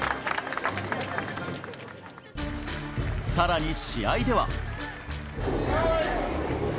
さらに試合では。